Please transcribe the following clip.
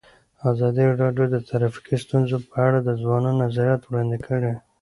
ازادي راډیو د ټرافیکي ستونزې په اړه د ځوانانو نظریات وړاندې کړي.